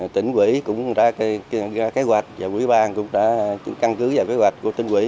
tỉnh quỹ cũng ra kế hoạch và quỹ ban cũng đã căn cứ ra kế hoạch của tỉnh quỹ